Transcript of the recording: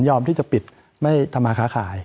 ยอมที่จะปิดไม่ธรรมาคาขาย